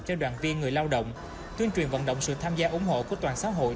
cho đoàn viên người lao động tuyên truyền vận động sự tham gia ủng hộ của toàn xã hội